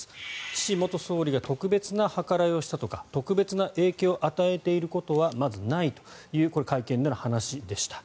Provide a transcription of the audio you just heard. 岸元総理が特別な計らいをしたとか特別な影響を与えていることはまずないという会見での話でした。